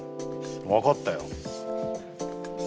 分かったよ。